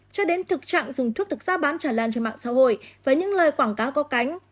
cho đến thực trạng dùng thuốc thực ra bán trả lan trên mạng xã hội với những lời quảng cáo có cánh